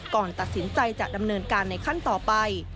ก่อนตัดสินใจจะดำเนินการในขั้นต่อไป